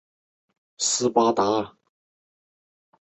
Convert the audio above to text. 部份消费者反应手机使用一年后萤幕触控容易有故障的情况。